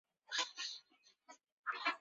普瓦夫雷人口变化图示